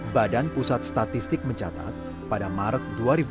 badan pusat statistik mencatat pada maret dua ribu dua puluh